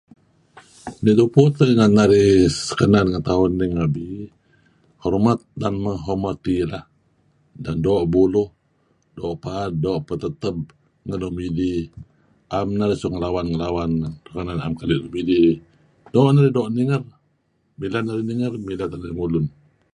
Neh tupu teh inan narih sekenan ngan tauh ngabi, hormat menghormati lah, dan doo' buluh, doo' paad, doo' peteteb ngen nuk midih 'am narih suk ngelawan-ngelawan renga; narih 'am keli' nuk midih. Doo' narih doo' ninger, mileh narih ninger mileh teh narih mulun.